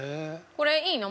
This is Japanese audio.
これいいの？